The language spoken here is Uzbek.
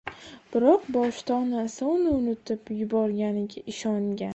Biroq boshida onasi uni unutib yuborganiga ishongan